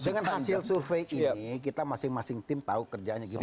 dengan hasil survei ini kita masing masing tim tahu kerjanya gimana